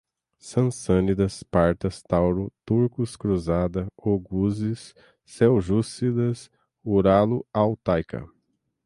Sassânidas, Partas, Tauro, turcos, cruzada, oguzes, seljúcidas, uralo-altaica